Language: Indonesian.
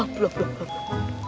belom belum belum